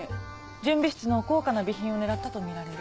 準備室の高価な備品を狙ったとみられる。